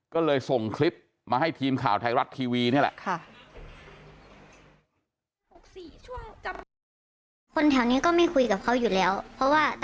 ก็เลยส่งคลิปมาให้ทีมข่าวไทยรัฐทีวีนี่แหละ